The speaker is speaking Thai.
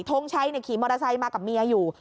ทงชัยขี่มอเตอร์ไซค์มากับเมียอยู่